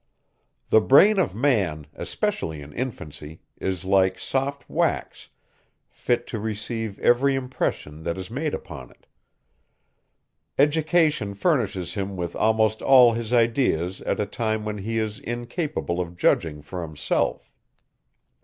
The brain of man, especially in infancy, is like soft wax, fit to receive every impression that is made upon it. Education furnishes him with almost all his ideas at a time, when he is incapable of judging for himself.